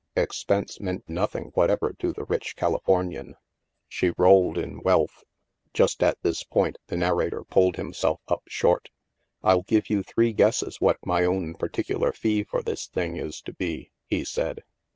Expense meant nothing whatever to the rich Calif ornian. She rolled in wealth. Just at this point, the narrator pulled himself up short. " I'll give you three guesses what my own par ticular fee for this thing is to be," he said.